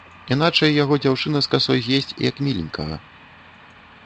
Іначай яго дзяўчына з касой з'есць як міленькага.